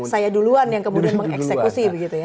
saya duluan yang kemudian mengeksekusi begitu ya